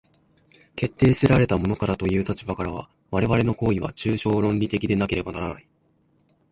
決定せられたものからという立場からは、我々の行為は抽象論理的でなければならない。